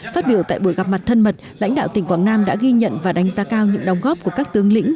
phát biểu tại buổi gặp mặt thân mật lãnh đạo tỉnh quảng nam đã ghi nhận và đánh giá cao những đồng góp của các tướng lĩnh